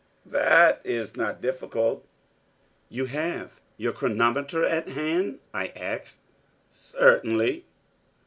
.......... "That is not difficult." .......... "You have your chronometer at hand?" I asked. .......... "Certainly."